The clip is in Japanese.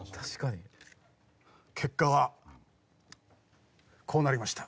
結果はこうなりました。